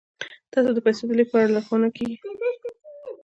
تاسو ته د پیسو د لیږد په اړه لارښوونه کیږي.